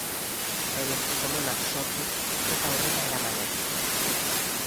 Proiektu komunak sortuz eta aurrera eramanez.